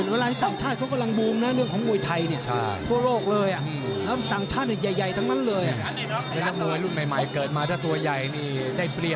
เวลาที่ต่างชาติเขากำลังบูมนะเรื่องของมวยไทยเนี่ย